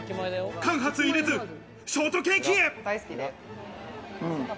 間髪入れずショートケーキ！